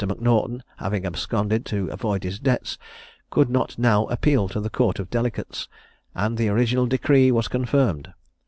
M'Naughton having absconded to avoid his debts, could not now appeal to the Court of Delegates, and the original decree was confirmed.